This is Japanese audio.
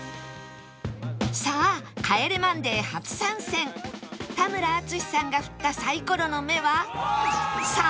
さあ『帰れマンデー』初参戦田村淳さんが振ったサイコロの目は「３」